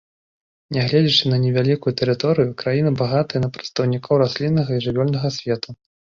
Нягледзячы на невялікую тэрыторыю, краіна багатая на прадстаўнікоў расліннага і жывёльнага свету.